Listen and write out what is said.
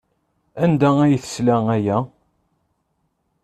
Anda ay tesla aya?